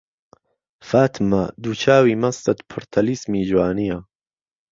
فاتمە دوو چاوی مەستت پڕ تەلیسمی جوانییە